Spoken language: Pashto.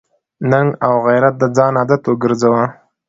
ننګ او غیرت د ځان عادت وګرځوه.